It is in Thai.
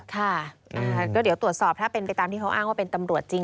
ค่ะก็เดี๋ยวตรวจสอบถ้าเป็นไปตามที่เขาอ้างว่าเป็นตำรวจจริง